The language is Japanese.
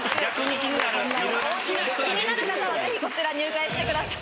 気になる方はぜひこちら入会してください。